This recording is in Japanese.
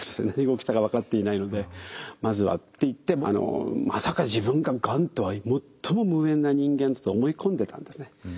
何が起きたか分かっていないのでまずはって言ってまさか自分ががんとは最も無縁な人間だと思い込んでたんですね。